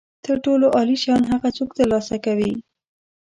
تر ټولو عالي شیان هغه څوک ترلاسه کوي.